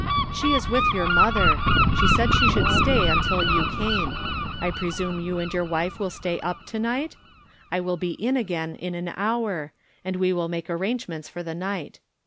" She is with your mother ; she said she should stay until you came. I presume you and your wife will stay up to night ? I will be in again in an hour, and we wiU make arrangements for the night.